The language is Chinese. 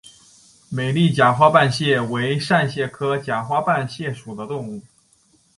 美丽假花瓣蟹为扇蟹科假花瓣蟹属的动物。